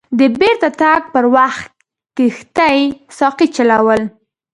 د بیرته تګ پر وخت کښتۍ ساقي چلول.